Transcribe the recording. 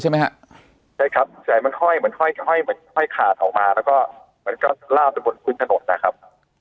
ใช่ครับสายเหมือนค่อยขาดเอามาแล้วขับระบุมกวนถนนนะครับ